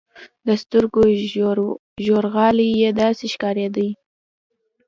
د سترګو ژورغالي يې داسې ښکارېدې.